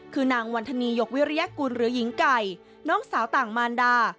คือนางวันธนียกวิริยกุลหรือหญิงไก่น้องสาวต่างมารดา